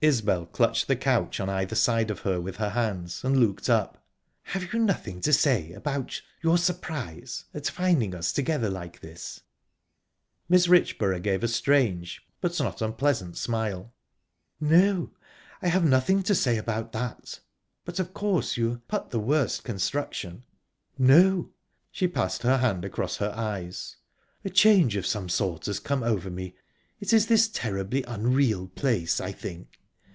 Isbel clutched the couch on either side of her with her hands, and looked up. "Have you nothing to say about...your surprise...at finding us together like this?" Mrs. Richborough gave a strange, but not unpleasant smile. "No, I have nothing to say about that." "But, of course, you...put the worst construction..." "No..." She passed her hand across her eyes. "A change of some sort has come over me. It is this terribly unreal place, I think.